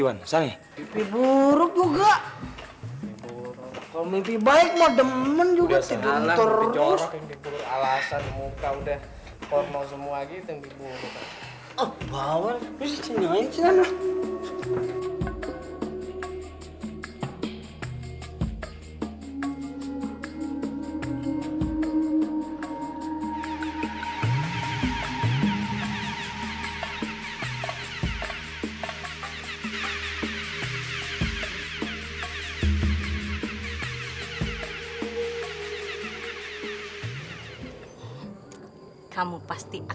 udah tidur lagi